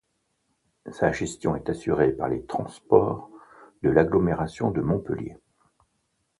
Sa gestion est assurée par les Transports de l'agglomération de Montpellier.